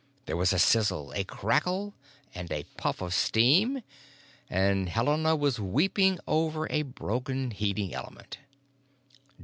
There was a sizzle, a crackle, and a puff of steam, and Helena was weeping over a broken heating element.